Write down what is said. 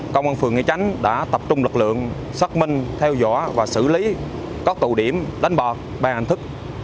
công an phường nghĩa chánh đã tập trung lực lượng xác minh theo dõi và xử lý các tụ điểm đánh bạc bằng hình thức